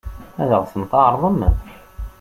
Ad ɣ-tent-tɛeṛḍem?